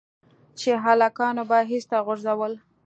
چې هلکانو به ايسته غورځول.